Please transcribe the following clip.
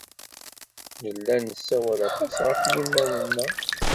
Nella nessawal aṭas ɣef yimal-nneɣ.